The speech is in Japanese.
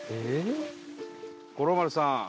五郎丸さん。